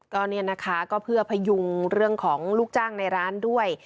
ก็เนี่ยนะคะก็เพื่อพยุงเรื่องของลูกจ้างในร้านด้วย